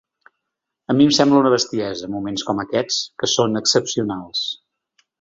A mi em sembla una bestiesa en moments com aquests, que són excepcionals.